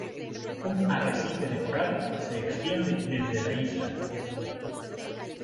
Un arrecife de coral se extiende desde la isla.